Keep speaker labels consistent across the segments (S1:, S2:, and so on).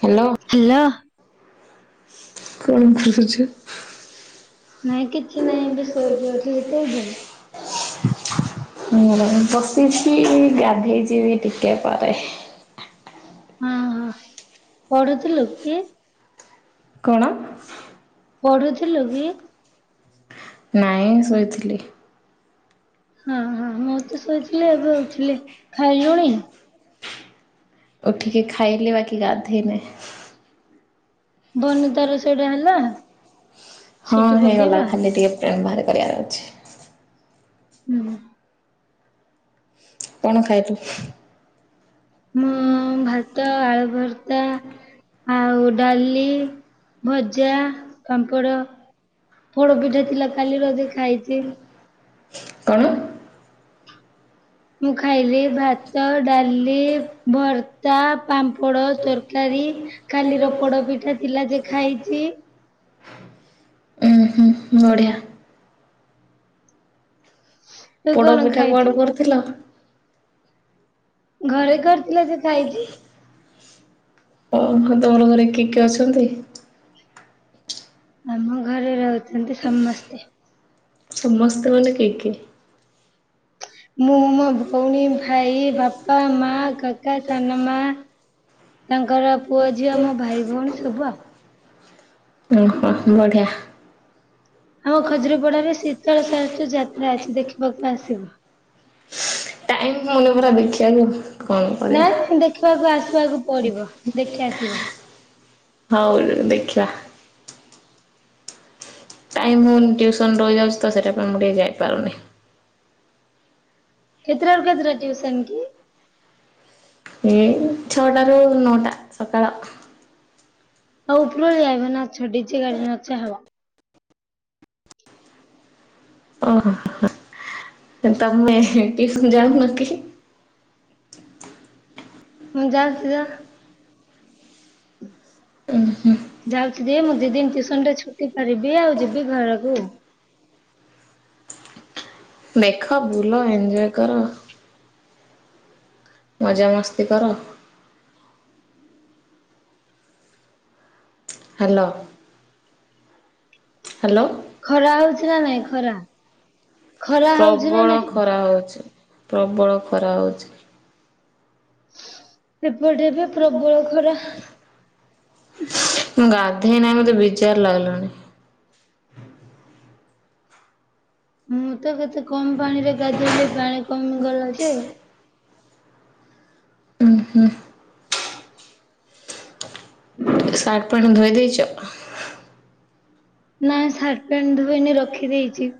S1: Hello
S2: hello.
S1: କଣ ଭାବୁ [unintelligible]
S2: ନାଇଁ କିଛି ନାଇଁ ଏବେ ଶୋଇକି ଉଥିଲି ତ ଏବେ।
S1: ହ ବସିଛିି ଗାଧେଇ ଯିବି ବି ଟିକେ ପରେ।
S2: ହଁ ପଢୁଥିଲୁ କି?
S1: କଣ?
S2: ପଢୁଥିଲୁ କି?
S1: ନାହିଁ ମୁଁ ଶୋଇଥିଲି।
S2: ହଁ ହଁ ମୁଁ ଶୋଇଥିଲି ଏବେ ଉଠିଲି, ଖାଇଲଣି?
S1: ଉଠିକି ଖାଇଲି ବାକି ଗାଧୋଇନି।
S2: ବନି ତାର ସେଇଟା ହେଲା?
S1: ହୁଁ
S2: ସିଟି
S1: ହେଇଗଲା
S2: ପକେଇବା
S1: ଖାଲି ଟିକେ ପ୍ରେମ୍ ବାହାର କରିବାର ଅଛି
S2: ହୁଁ।
S1: କଣ ଖାଇଲୁ?
S2: ମୁଁ ଭାତ ଆଳୁ ଭର୍ତ୍ତା [unintelligible] ଆଉ ଡାଲି ଭଜା ପାମ୍ପଡ଼। ଫୋଡ ପିଠା ଥିଲା କାଲିର ଯୋଉ ଖାଇଚି।
S1: କଣ?
S2: ମୁଁ ଖାଇଲି ଭାତ ଡାଲି ଭର୍ତା ପାମ୍ପଡ଼ ତରକାରୀ। କାଲିର ପୋଡ ପିଠା ଥିଲା ଯେ ଖାଇଚି।
S1: ଉୁଁ ହୁଁ। ବଢ଼ିଆ।
S2: ତୁ
S1: ପୋଡ
S2: କଣ
S1: ପିଠା
S2: ଖାଇଛୁ?
S1: କୁଆଡୁ କରୁଥିଲ?
S2: ଘରେ କରିଥିଲେ ଯେ ଖାଇଚି।
S1: ଓହୋ ତମର ଘରେ କିଏ କିଏ ଅଛନ୍ତି?
S2: ଆମ ଘରେ ରହୁଚନ୍ତି ସମସ୍ତେ।
S1: ସମସ୍ତେ ମାନେ କିଏ କିଏ?
S2: ମୁଁ ମୋ ଭଉଣୀ ଭାଇ ବାପା ମା କାକା ସାନମାମା। ତାଙ୍କର ପୁଅ ଝିଅ ଆମ ଭାଇ ଭଉଣୀ ସବୁ ଆଉ।
S1: ଓହୋ ବଢିଆ।
S2: ଆମ ଖଜୁରୀପଡାରେ ଶୀତଳ ଷଷ୍ଠୀ ଯାତ୍ରା ଅଛି ଦେଖିବାକୁ ଆସିବ।
S1: [unintelligible] କରିବା।
S2: ନାଇ ଦେଖିବାକୁ ଆସିବାକୁ ପଡିବ ଦେଖି ଆସିବ।
S1: ହୋଉ ଦେଖିବା। ଟାଇମ୍ ହୋଇନି ଟ୍ୟୁସନ ରହିଯାଉଚି ତ ସେଇଥି ପାଇଁ ମୁଁ ଟିକେ ଯାଇପାରୁନି।
S2: କେତେଟା ରୁ କେତେଟା ଟିୟୁସନ କି?
S1: ଏଇ ଛଅଟା ରୁ ନଅଟା ସକାଳ।
S2: ଆଉ ଉପରୋଳି ଆଇବ ନାଚିବ ଡିଯେ ବାଜିବ ନଚା ହବ।
S1: ଓହୋ। [unintelligible]
S2: ମୁଁ ଜା ସେଇଆ
S1: ଉୁଁ ହୁଁ।
S2: ଯାଉଚି ଦି ମୁଁ ଦି ଦିନ ଟିଉସନଟା ଛୁଟି କରିଦିଏ ଆଉ ଯିବି ଘରକୁ।
S1: ମେଖ ବୁଲ ଏଞ୍ଜୟ କର। ମଜାମସ୍ତି କର। ହ୍ୟାଲୋ। ହ୍ୟାଲୋ।
S2: ଖରା ହୋଉଚି ନା ନାଇଁ ଖରା। ଖରା ହଉଛି ନା
S1: ପ୍ରବଳ
S2: ନାଇଁ?
S1: ଖରା ହୋଉଚି ପ୍ରବଳ ଖରା ହୋଉଚି।
S2: ଏପଟେ ଏବେ ପ୍ରବଳ ଖରା।
S1: ମୁଁ ଗାଧେଇ ନାହିଁ ମତେ ବିଜାର ଲାଗଲାଣି।
S2: ମୁଁ ତ କେତେ କମ ପାଣିରେ ଗାଧେଇଲି ପାଣି କମି ଗଲା ଯେ
S1: ଉଁ ହୁଁ।
S2: [inaudible]
S1: ସାଟ ପ୍ୟାଣ୍ଟ ଧୋଇ ଦେଇଚ?
S2: ନାଁ ସାର୍ଟ ପ୍ୟାଣ୍ଟ ଧୋଇନି ରଖିଦେଇଚି।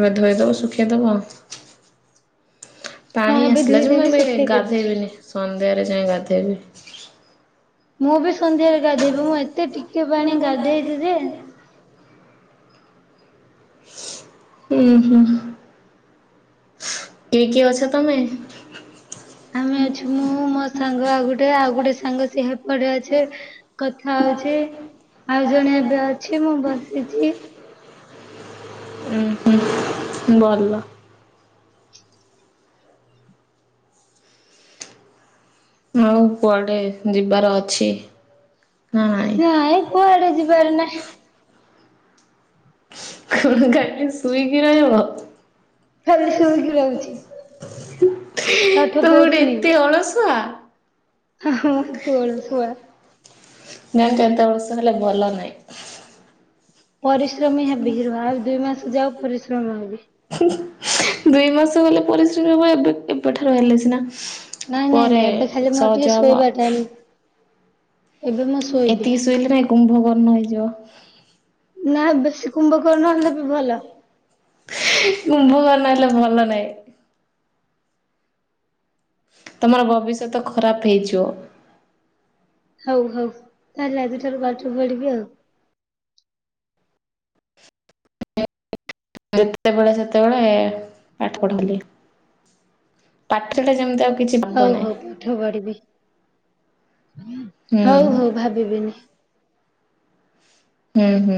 S1: ଏବେ ଧୋଇଦବ ଶୁଖେଇ ଦେବ।
S2: ହଁ
S1: ପାଣି
S2: ଏବେ
S1: ଆସିଲା ଯେ ମୁଁ
S2: ଧୋଇଦେବି
S1: ଏବେ
S2: ଶୁଖେଇଦେବି।
S1: ଗାଧେଇବିନି ସନ୍ଧ୍ୟାରେ ଯାଏଁ ଗାଧେଇବି।
S2: ମୁଁ ବି ସନ୍ଧ୍ୟାରେ ଗାଧେଇବି। ମୁଁ ଏତେ ଟିକେ ପାଣି ଗାଧେଇଥିଲି ଯେ
S1: ଉଁ ହୁଁ। କିଏ କି ଅଛ ତମେ?
S2: ଆମେ ଅଛୁ ମୁଁ ମୋ ସାଙ୍ଗ ଆଉ ଗୋଟେ ଆଉ ଗୋଟେ ସାଙ୍ଗ ସେ ହେପଟେ ଅଛି। କଥା ହଉଚି, ଆଉ ଜଣେ ଏବେ ଅଛି ମୁଁ ବସିଚି।
S1: ଉଁ ହୁଁ। ଭଲ। ହଁ କୁଆଡେ ଯିବାର ଅଛି?
S2: ନା ଏଇ କୁଆଡେ ଯିବାର ନାଈ।
S1: କଣ ଖାଲି ସୁଇକି ରହିବ?
S2: ଖାଲି ଶୋଇକି ରହୁଛି
S1: ତମ
S2: ପାଠ
S1: ଗୋଟେ ଏତେ ଅଳସୁଆ?
S2: ହଁ ହଁ ଏତେ ଅଳଶୁଆ।
S1: ନା [unintelligible] ବର୍ଷ ହେଲେ ଭଲ ନାହିଁ।
S2: ପରିଶ୍ରମୀ ହେବି ହେଲା ଆଉ ଦୁଇ ମାସ ଯାଉ ପରିଶ୍ରମ ହେବି।
S1: ଦୁଇ ମାସ ଗଲେ ପରିଶ୍ରମ ହବ। ଏବେ ଏବେଠାରୁ ହେଲେ ସିନା
S2: ନାଇଁ ନାଇଁ
S1: ପରେ
S2: ନାଇଁ ଏବେ ଖାଲି ମୋର ଟିକେ
S1: ସହଜ ହେବ।
S2: ଶୋଇବା ଟାଇମ। ଏବେ ମୁଁ ଶୋଇବି
S1: ଏତିକି ଶୋଇଲେ ନାଇଁ କୁମ୍ଭକର୍ଣ୍ଣ ହେଇଯିବ।
S2: ନା ବେଶୀ କୁମ୍ଭକର୍ଣ୍ଣ ହେଲେ ବି ଭଲ।
S1: କୁମ୍ଭକର୍ଣ୍ଣ ହେଲେ ଭଲ ନାଇଁ। ତମର ଭବିଷ୍ୟତ ଖରାପ ହେଇଯିବ।
S2: ହଉ ହଉ ତାହେଲେ ଆଜି ଠାରୁ ପାଠ ପଢିବି ଆଉ।
S1: ଯେତେବେଳେ ସେତେବେଳେ ପାଠ ପଢଲି। ପାଠ ଟା ଯେମିତି ଆଉ କିଛି ଭାବ
S2: ହଉ
S1: ନାହିଁ।
S2: ହଉ ପାଠ ପଢିବି
S1: ହୁଁ
S2: ହଉ ହଉ ଭାବିବିନି।
S1: ଉଁ ହୁଁ।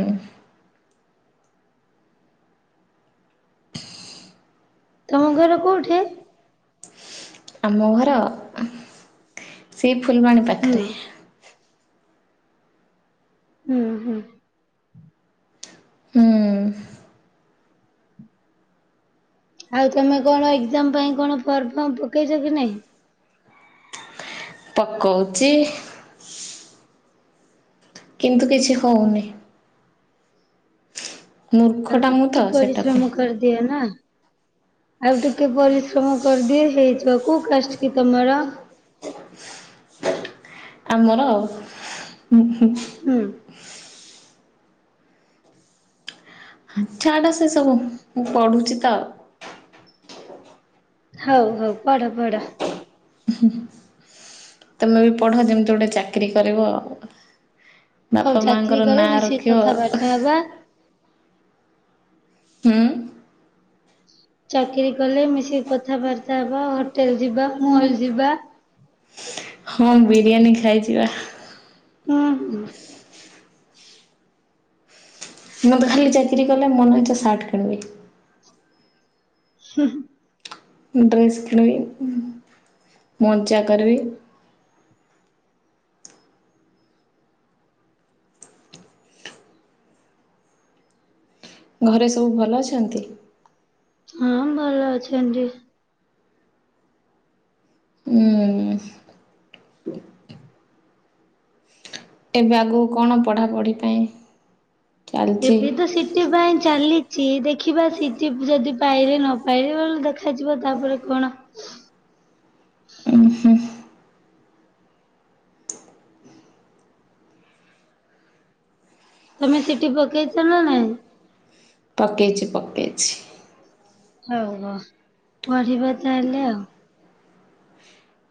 S2: ତମ ଘର କୋଉଠି?
S1: ଆମ ଘର ସେଇ ଫୁଲବାଣୀ
S2: ହୁଁ
S1: ପାଖରେ।
S2: ହୁଁ ହୁଁ।
S1: ହୁଁ।
S2: ଆଉ ତମେ କଣ ଏକ୍ଜାମ ପାଇଁ କଣ ଫର୍ମ ଫର୍ମ ପକେଇଚ କି ନାଇଁ?
S1: ପକଉଚି। କିନ୍ତୁ କିଛି ହଉନି।
S2: ଆଉ
S1: ମୂର୍ଖଟା ମୁଁ ତ
S2: ଟିକେ
S1: ସେଟା ପାଇଁ
S2: ପରିଶ୍ରମ କରିଦିଅ ନା। ଆଉ ଟିକେ ପରିଶ୍ରମ କରିଦିଏ ହେଇଯିବ। କୋଉ କାଷ୍ଟ କି ତମର?
S1: ଆମର
S2: ହୁଁ।
S1: ଛାଡ଼ ସେ ସବୁ ମୁଁ ପଢୁଚି ତ ଆଉ।
S2: ହଉ ହଉ ପଢ ପଢ।
S1: ତମେ ବି ପଢ ଯେମିତି ଗୋଟେ ଚାକିରି କରିବ ଆଉ।
S2: ହଉ
S1: ବାପା
S2: ଚାକିରି
S1: ମାଙ୍କର
S2: କଲେ
S1: ନାଁ
S2: ମିଶିକି
S1: ରଖିବ।
S2: କଥାବାର୍ତ୍ତା ହବା।
S1: ହୁଁ।
S2: ଚାକିରୀ କଲେ ମିଶିକି କଥାବାର୍ତ୍ତା ହବା, ହୋଟେଲ ଯିବା, ମଲ ଯିବା।
S1: ହଁ ବିରିୟାନୀ ଖାଇଯିବା।
S2: ହୁଁ ହୁଁ।
S1: ମୁଁ ତ ଖାଲି ଚାକିରି କଲେ ମନ ଇଛା ସାର୍ଟ କିଣିବି।
S2: ହୁଁ।
S1: ଡ୍ରେସ୍ କିଣିବି ମଜା କରିବି। ଘରେ ସବୁ ଭଲ ଅଛନ୍ତି?
S2: ହଁ ଭଲ ଅଛନ୍ତି।
S1: ହୁଁ। ଏବେ ଆଗୁକୁ କଣ ପଢ଼ାପଢ଼ି ପାଇଁ ଚାଲିଛି?
S2: ଏବେ ତ ସିତ୍ ସିଟି ପାଇଁ ଚାଲିଛି ଦେଖିବା ସିଟିି ଯଦି ପାଇବେ ନ ପାଇବେ ବ ଦେଖାଯିବ ତାପରେ କଣ?
S1: ଉୁଁ ହୁଁ।
S2: ତମେ ସିଟି ପକେଇଛ ନା ନାଇଁ?
S1: ପକେଇଚି ପକେଇଚି।
S2: ହଉ ହ ପଢିବା ତାହେଲେ ଆଉ।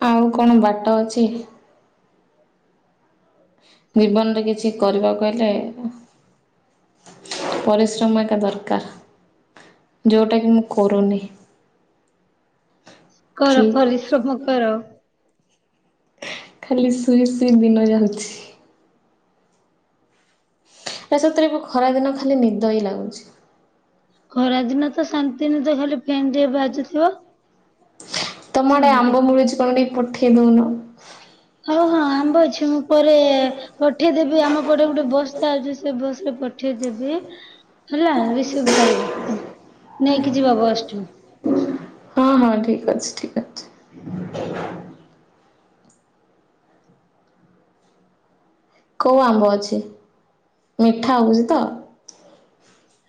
S1: ଆଉ କଣ ବାଟ ଅଛି? ଜୀବନରେ କିଛି କରିବାକୁ ହେଲେ ପରିଶ୍ରମ ଏକା ଦରକାର ଯୋଉଟାକି ମୁଁ କରୁନି।
S2: କର
S1: ଖାଲି
S2: ପରିଶ୍ରମ କର।
S1: ଖାଲି ଶୁଇ ଶୁଇ ଦିନ ଯାଉଛି। ଏ ସତରେ ଖରାଦିନ ଖାଲି ନିଦ ହିଁ ଲାଗୁଚି।
S2: ଖରା ଦିନ ତ ଶାନ୍ତି ନିଦ ତ ଖାଲି ଫେନ୍ ଟିକେ ବାଜୁଥିବ।
S1: ତମ ଆଡେ
S2: ଶାନ୍ତି।
S1: ଆମ୍ବ ମୁଳୁଛି କଣ ଟିକେ ପଠେଇ ଦଉନ?
S2: ହଁ ହଁ ଆମ୍ବ ଅଛି ମୁଁ ପରେ ପଠେଇଦେବି ଆମ ପଟେ ଗୋଟେ ବସ ଚାଲଛି ସେ ବସ ରେ ପଠେଇଦେବି। ହେଲା ରିସିଭ କରିବ ନେଇକି ଯିବ ବସ ଠୁ।
S1: ହଁ ହଁ ଠିକ୍ ଅଛି ଠିକ୍ ଅଛି। କୋଉ ଆମ୍ବ ଅଛି ମିଠା ହେଉଚି ତ?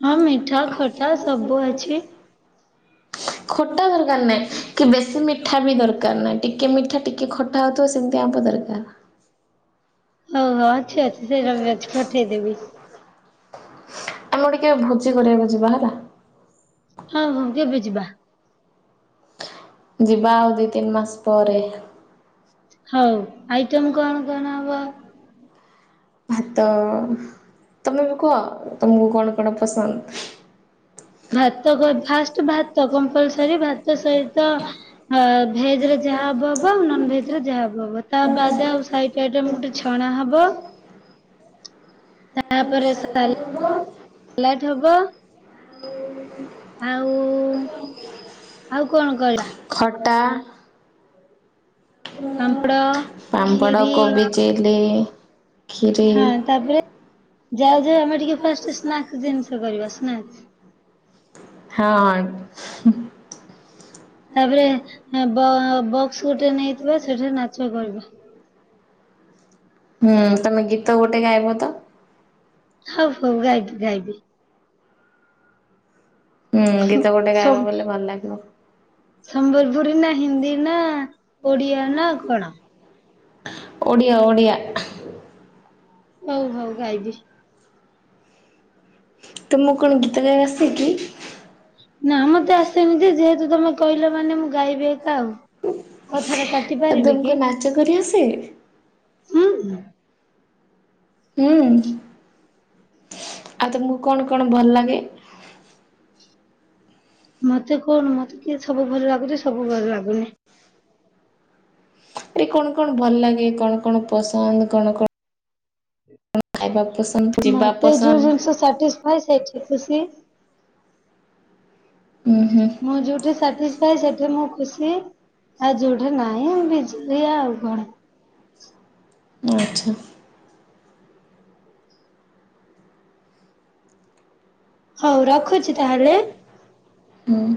S2: ହଁ ମିଠା ଖଟା ସବୁ ଅଛି।
S1: ଖଟା ଦରକାର ନାହିଁ କି ବେଶୀ ମିଠା ବି ଦରକାର ନାହିଁ ଟିକେ ମିଠା ଟିକେ ଖ ଟା ହୋଉଥିବ ସେମିତି ଆମ୍ୱ ଦରକାର।
S2: ହଉ ହୋ ଅଛି ଅଛି ସେଇଟା ବି ଅଛି ପଠେଇଦେବି।
S1: ଆମେ ଟିକେ ଭୋଜି କରିବାକୁ ଯିବା ହେଲା।
S2: ହଁ ହଉ କେବେ ଯିବା।
S1: ଯିବା ଆଉ ଦି ତିନି ମାସ ପରେ।
S2: ହଉ ଆଇଟମ୍ କଣ କଣ ହବ?
S1: ଭାତ, ତମେ ବି କୁହ ତମକୁ କଣ କଣ ପସନ୍ଦ?
S2: ଭାତ କ ଫାଷ୍ଟ ଭାତ କମ୍ପଲସରୀ ଭାତ ସହିତ ହ ଭେଜ ରେ ଯାହା ହବ ହବ ଆଉ ନନ ଭେଜ ରେ ଯାହା ହବ ହବ ତା ବାଦ ଆଉ ସାଇଟ ସେଏଟାଅମ ଗୋଟେ ଛଣା ହବ। ତାପରେ ସାଲ ସାଲଟ ହବ। ଆଉ ଆଉ କଣ କରିବା?
S1: ଖଟା।
S2: ପାମ୍ପଡ
S1: ପାମ୍ପଡ
S2: ଖିରି
S1: କୋବି ଚିଲି। ଖିରି
S2: ହଁ ତାପରେ ଯାଉ ଯାଉ ଆମେ ଟିକେ ଫାର୍ଷ୍ଟ ସ୍ନାକସ ଜିନିଷ କରିବା ସ୍ନାକସ୍
S1: ହଁ।
S2: ତାପରେ ବକ୍ସ ଗୋଟେ ନେଇଥିବା ସେଠାରେ ନାଚ କରିବା।
S1: ହୁଁ ତମେ ଗୀତ ଗୋଟେ ଗାଇବ ତ!
S2: ହଉ ହଉ ଗାଇବି ଗାଇବି।
S1: ହୁଁ ଗୀତ ଗୋଟେ ଗାଇବା
S2: ସମ୍
S1: ବଲେ ଭଲ ଲାଗିବ।
S2: ସମ୍ବଲପୁରୀ ନା ହିନ୍ଦୀ ନା ଓଡିଆ ନା କଣ?
S1: ଓଡ଼ିଆ ଓଡ଼ିଆ।
S2: ହଉ ହଉ ଗାଇବି।
S1: ତ ମୁଁ କଣ ଗୀତ ଗାଇ ଆସେ କି?
S2: ନା ମତେ ଆସେ ନି ଯେ ଯେହେତୁ ତମେ କହିଲ ମାନେ ମୁଁ ଗାଇବି ଏକା ଆଉ। କଥାଟା କାଟି
S1: ଆ
S2: ପାରିବି କି?
S1: ତମକୁ ନାଚ କରି ଆସେ।
S2: ହୁଁ ଉଁ।
S1: ହୁଁ ଆଉ ତମକୁ କଣ କଣ ଭଲ ଲାଗେ?
S2: ମତେ କଣ ମତେ କିଏ ସବୁ ଭଲ ଲାଗୁଛି ସବୁ ଭଲ ଲାଗୁନି।
S1: ଆରେ କଣ କଣ ଭଲ ଲାଗେ କଣ କଣ ପସନ୍ଦ କଣ କଣ ଖାଇବା ପସନ୍ଦ। ଯିବା
S2: ମତେ ଯଉ
S1: ପସନ୍ଦ
S2: ଜିନିଷ ସାଟିସ୍ଫାଇ ସେଇଠି ଖୁସି।
S1: ଉଁ ହୁଁ।
S2: ମୁଁ ଯୋଉଠି ସାଟିସ୍ଫାଇ ସେଠି ମୁଁ ଖୁସି। ଆଉ ଯୋଉଠା ନାହିଁ [unintelligible] ଆଉ କଣ।
S1: ଆଚ୍ଛା।
S2: ହଉ ରଖୁଛି ତାହେଲେ।
S1: ହୁଁ।